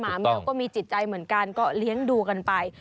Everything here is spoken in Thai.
แมวก็มีจิตใจเหมือนกันก็เลี้ยงดูกันไป